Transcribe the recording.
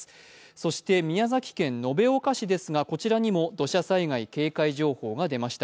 そして、宮崎県延岡市ですが、こちらにも土砂災害警戒情報が出ました。